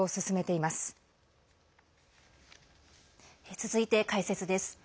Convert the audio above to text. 続いて、解説です。